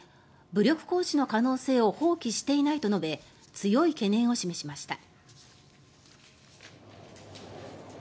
武力行使の可能性を放棄していないと述べ強い懸念を示しました。